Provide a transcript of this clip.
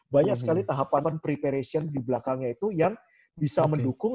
banyak sekali tahapan preparation di belakangnya itu yang bisa mendukung